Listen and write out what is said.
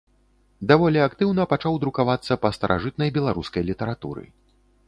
Даволі актыўна пачаў друкавацца па старажытнай беларускай літаратуры.